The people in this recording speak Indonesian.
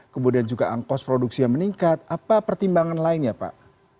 kemudian juga angkos produksi yang meningkat apa pertimbangan lainnya pak